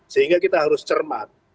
sehingga kita harus cermat